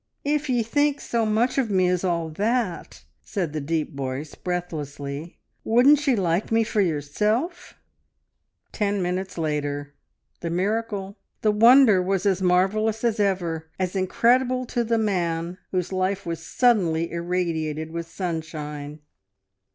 "If ye think so much of me as all that," said the deep voice breathlessly, "wouldn't ye like me for yourself?" Ten minutes later the miracle, the wonder, was as marvellous as ever: as incredible to the man whose life was suddenly irradiated with sunshine.